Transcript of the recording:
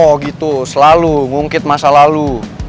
oh gitu selalu ngungkit masa lalu